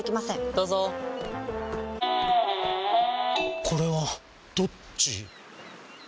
どうぞこれはどっち？